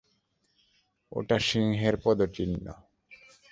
ওটা সিংহের পদচিহ্ন।